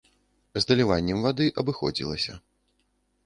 З даліваннем вады абыходзілася.